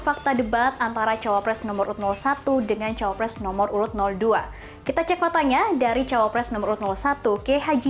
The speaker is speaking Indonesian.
faktanya ini salah